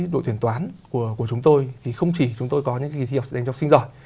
đội tuyển toán của chúng tôi thì không chỉ chúng tôi có những cái kỳ thi đánh cho học sinh giỏi